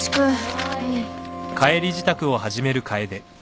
はい。